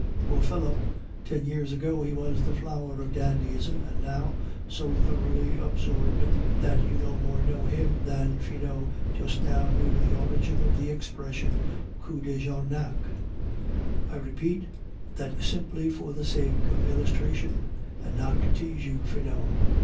Poor fellow, ten years ago he was the flower of dandyism; and now, so thoroughly absorbed that you no more know him than Finot just now knew the origin of the expression 'coup de Jarnac' I repeat that simply for the sake of illustration, and not to tease you, Finot.